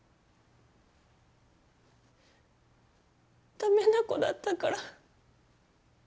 駄目な子だったから。